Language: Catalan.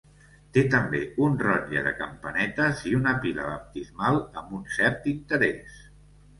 Té també un rotlle de campanetes i una pila baptismal amb un cert interès.